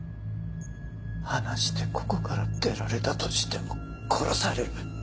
話してここから出られたとしても殺される。